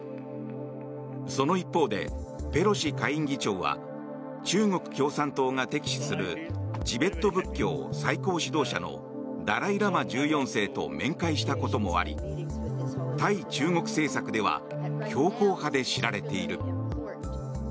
その一方で、ペロシ下院議長は中国共産党が敵視するチベット仏教最高指導者のダライ・ラマ１４世と面会したこともあり対中国政策では強硬派で知られている。